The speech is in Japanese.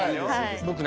僕ね